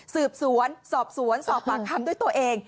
สืบสวนสอบสวนสอบปากคำด้วยตัวเอง